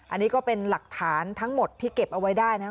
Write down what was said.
อันนี้ก็เป็นหลักฐานทั้งหมดที่เก็บเอาไว้ได้นะครับ